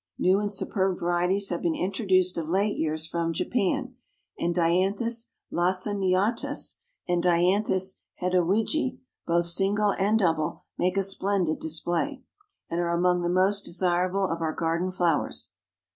New and superb varieties have been introduced of late years from Japan, and Dianthus Laciniatus, and Dianthus Heddewigii, both single and double, make a splendid display, and are among the most desirable of our garden flowers.